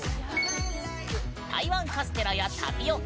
台湾カステラやタピオカ